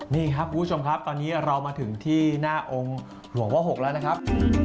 นี่ครับคุณผู้ชมครับตอนนี้เรามาถึงที่หน้าองค์หลวงพ่อ๖แล้วนะครับ